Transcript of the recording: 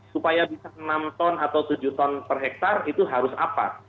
supaya bisa enam ton atau tujuh ton per hektare itu harus apa